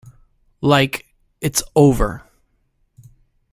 Like, 'It's over!